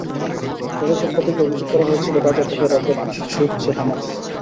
তাদের পক্ষ থেকে অভিযোগ করা হয়েছিল, গাজা থেকে রকেট ছুড়ছে হামাস।